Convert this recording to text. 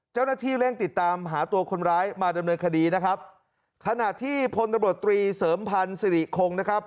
เจ้าหน้าที่เร่งติดตามหาตัวคนร้ายมาดำเนินคดีนะครับขณะที่พลตำรวจตรีเสริมพันธ์สิริคงนะครับ